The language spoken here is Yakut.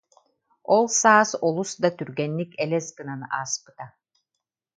Ол саас олус да түргэнник элэс гынан ааспыта